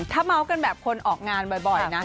ถ้าเมาส์กันแบบคนออกงานบ่อยนะ